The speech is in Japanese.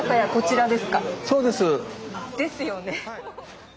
そうです。ですよね。